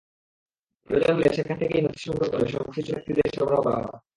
প্রয়োজন হলে সেখান থেকেই নথি সংগ্রহ করে সংশ্লিষ্ট ব্যক্তিদের সরবরাহ করা হয়।